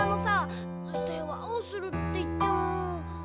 せわをするっていっても。